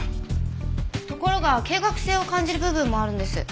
ところが計画性を感じる部分もあるんです。